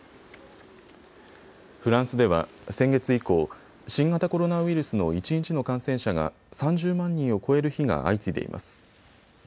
フランスでは先月以降、新型コロナウイルスの一日の感染者が３０万人を超える日が相次いでいます。